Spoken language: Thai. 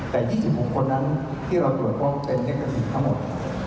แต่ยี่สิบหกคนนั้นที่เราตรวจว่าเป็นแน็กซี่ทั้งหมด